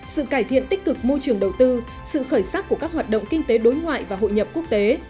sự cải thiện tích cực môi trường đầu tư sự khởi sắc của các hoạt động kinh tế đối ngoại và hội nhập quốc tế